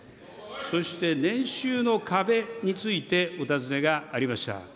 そして年収の壁についてお尋ねがありました。